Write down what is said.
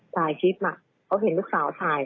ถ่ายคลิปเขาเห็นลูกสาวถ่าย